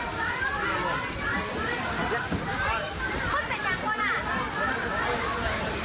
ชมด้วยพระอาทิตย์ได้ด้วย